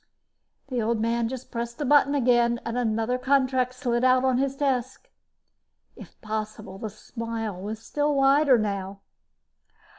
The Old Man pressed the button again and another contract slid out on his desk. If possible, the smile was still wider now.